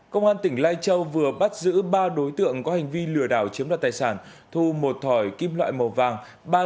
công an tỉnh lai châu vừa bắt giữ ba đối tượng có hành vi lừa đảo chiếm đoạt tài sản thu một thỏi kim loại màu vàng